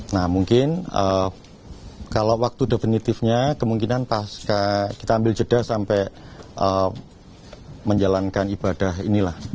nah mungkin kalau waktu definitifnya kemungkinan pas kita ambil jeda sampai menjalankan ibadah inilah